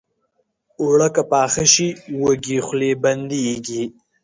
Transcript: اوړه که پاخه شي، وږې خولې بندېږي